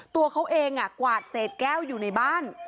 ตัวเขาเองกวาดเศษแก้วอยู่ในบ้าน